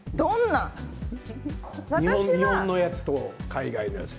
日本のやつと海外のやつと。